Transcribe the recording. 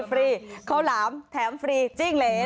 ฟรีข้าวหลามแถมฟรีจิ้งเหล